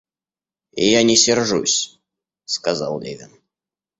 Я не сержусь, — сказал Левин.